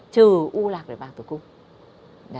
trừ u lạc để bằng tử cung